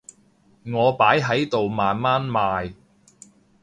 我擺喺度慢慢賣